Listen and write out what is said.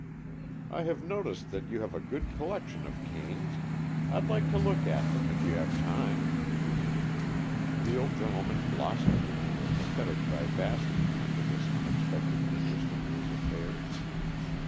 "I have noticed that you have a good collection of canes. I'd like to look at them, if you have time." The old gentleman blossomed into a pathetic vivacity under this unexpected interest in his affairs.